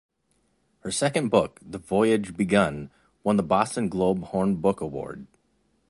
Her second book, "The Voyage Begun", won the Boston Globe-Horn Book Award.